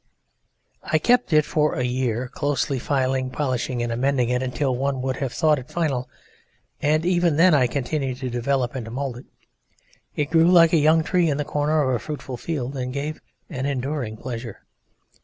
I kept it for a year, closely filing, polishing, and emending it until one would have thought it final, and even then I continued to develop and to mould it. It grew like a young tree in the corner of a fruitful field and gave an enduring pleasure.